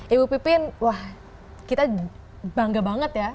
ibu pipin wah kita bangga banget ya